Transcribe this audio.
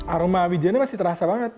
aroma wijennya masih terasa banget